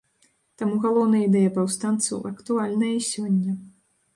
Таму галоўная ідэя паўстанцаў актуальная і сёння.